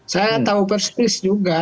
saya tahu persis juga